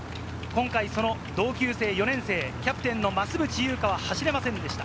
今回４年生、キャプテンの増渕祐香は走れませんでした。